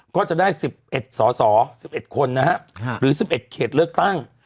ก็จะได้๑๑สอสอ๑๑คนนะครับหรือ๑๑เขตเลือกตั้ง